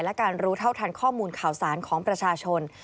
และการรู้เท่าทันข้อมูลข่าวสารของประชาชน